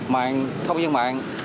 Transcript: mạng không gian mạng